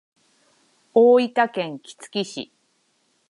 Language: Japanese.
大分県杵築市